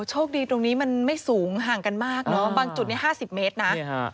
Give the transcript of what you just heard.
โชคดีตรงนี้มันไม่สูงห่างกันมากเนอะบางจุดนี้๕๐เมตรนะ